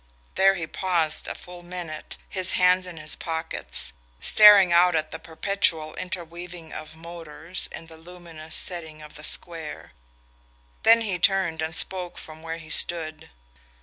There he paused a full minute, his hands in his pockets, staring out at the perpetual interweaving of motors in the luminous setting of the square. Then he turned and spoke from where he stood.